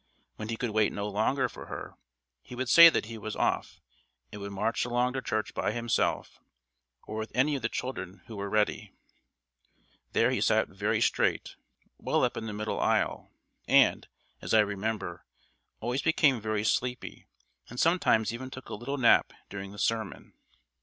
When he could wait no longer for her, he would say that he was off, and would march along to church by himself or with any of the children who were ready. There he sat very straight well up the middle aisle and, as I remember, always became very sleepy, and sometimes even took a little nap during the sermon.